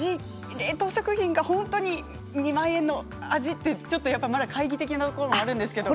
冷凍食品が本当に２万円の味ってちょっとまだ懐疑的なところがあるんですけど。